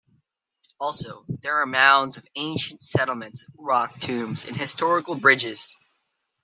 Also, there are mounds of ancient settlements, rock tombs and historical bridges.